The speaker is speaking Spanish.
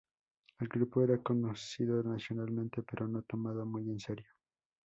El grupo era conocido nacionalmente, pero no tomado muy en serio.